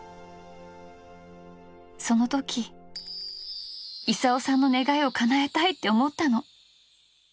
その時功さんの願いを叶えたいって思ったの。